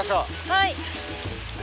はい。